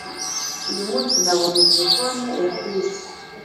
Uyu munsi nabonye telefone ya Chris